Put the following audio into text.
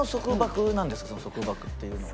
その束縛っていうのは。